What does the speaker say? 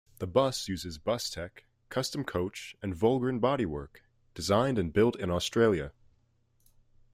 The bus uses Bustech, Custom Coach and Volgren bodywork, designed and built in Australia.